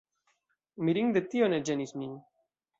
Mirinde tio ne ĝenis min.